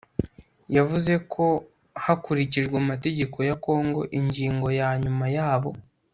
yavuze ko hakurikijwe amategeko ya kongo, ingingo ya nyuma yabo